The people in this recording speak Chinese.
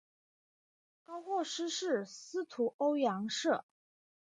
高获师事司徒欧阳歙。